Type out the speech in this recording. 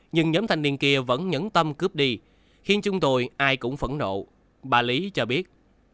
nhưng nhóm thanh niên kia vẫn nhẫn tâm cướp đi khiến chúng tôi ai cũng phẫn nộ bà lý cho biết